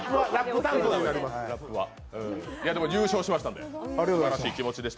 でも優勝しましたんで。